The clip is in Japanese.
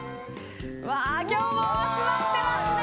今日も集まってますね。